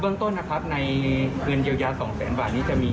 เบื้องต้นนะครับในเงินเยียวยาสองแสนบาทนี้จะมี